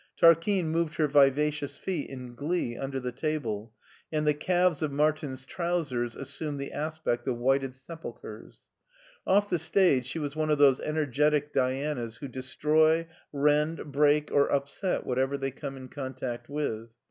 Tarquine moved her vivacious feet in glee under the table, and the calves of Martin's trousers assumed the aspect of whited sepulchers. Off the stage she was one of those ener getic Dianas who destroy, rend, break, or upset what ever they come in contact with.